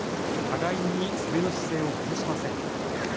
互いに攻めの姿勢を崩しません。